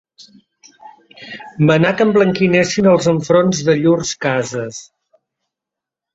Manà que emblanquinessin els enfronts de llurs cases.